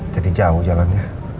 jadi jauh jalannya